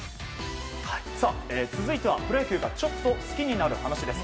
続いてはプロ野球からちょっと好きになる話です。